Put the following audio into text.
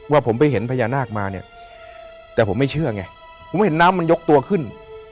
ว่าผมไปเห็นพญานาคมาเนี่ยแต่ผมไม่เชื่อไงผมเห็นน้ำมันยกตัวขึ้น